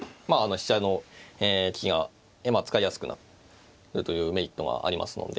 飛車の利きが使いやすくなるというメリットがありますので。